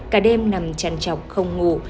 cả đêm nằm chăn chọc không ngủ